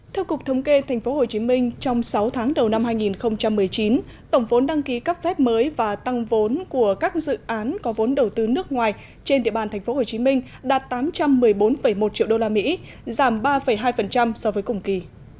theo cục thống kê tp hcm trong sáu tháng đầu năm hai nghìn một mươi chín tổng vốn đăng ký cấp phép mới và tăng vốn của các dự án có vốn đầu tư nước ngoài trên địa bàn tp hcm đạt tám trăm một mươi bốn một triệu usd giảm ba hai so với cùng kỳ